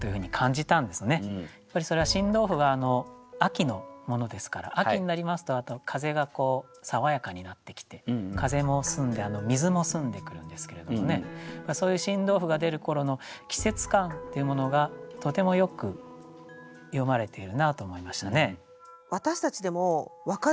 やっぱりそれは新豆腐が秋のものですから秋になりますと風が爽やかになってきて風も澄んで水も澄んでくるんですけれどもねそういう新豆腐が出る頃の季節感っていうものがとてもよく詠まれているなと思いましたね。